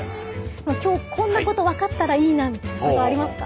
まあ今日こんなこと分かったらいいなみたいなの何かありますか？